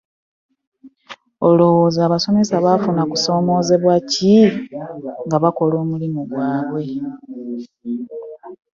Olowooza abasomesa bafuna kusomozebwa ki nga bakola omulimu gwabe?